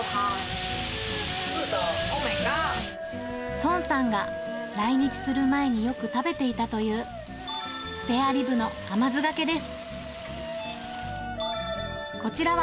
ソンさんが来日する前によく食べていたというスペアリブの甘酢がけです。